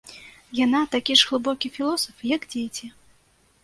Яна такі ж глыбокі філосаф, як дзеці.